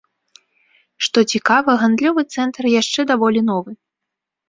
Што цікава, гандлёвы цэнтр яшчэ даволі новы.